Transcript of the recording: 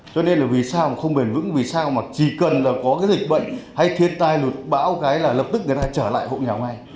cho nên là vì sao mà không bền vững vì sao mà chỉ cần là có cái dịch bệnh hay thiên tai lụt bão cái là lập tức người ta trở lại hộ nghèo ngay